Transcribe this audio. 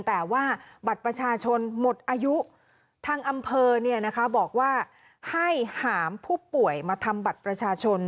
แต่ว่าบัตรประชาชนหมดอายุทางอำเภอบอกว่าให้หามผู้ป่วยมาทำบัตรประชาชน